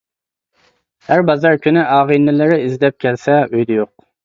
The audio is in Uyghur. ھەر بازار كۈنى ئاغىنىلىرى ئىزدەپ كەلسە ئۆيىدە يوق.